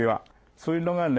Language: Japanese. そういうのがね